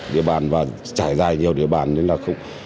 địa bàn và trải dài nhiều địa bàn nên là không